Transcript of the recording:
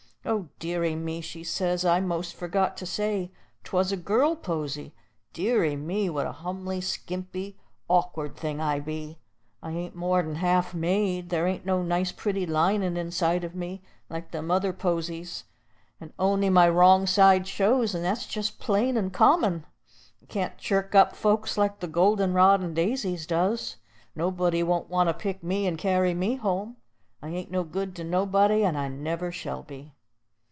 "Oh, deary me!" she says, I most forgot to say 'twas a girl posy "deary me, what a humly, skimpy, awk'ard thing I be! I ain't more'n half made; there ain't no nice, pretty lining inside o' me, like them other posies; and on'y my wrong side shows, and that's jest plain and common. I can't chirk up folks like the golden rod and daisies does. Nobody won't want to pick me and carry me home. I ain't no good to anybody, and I never shall be."